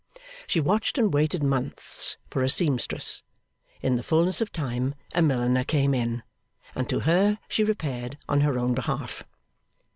She watched and waited months for a seamstress. In the fulness of time a milliner came in, and to her she repaired on her own behalf.